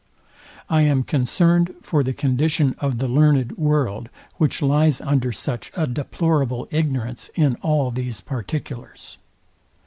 I am concerned for the condition of the learned world, which lies under such a deplorable ignorance in all these particulars.